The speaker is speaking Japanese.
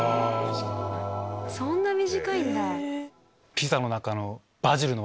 そんな短いんだ。